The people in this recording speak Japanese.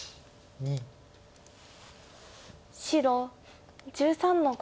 白１３の五。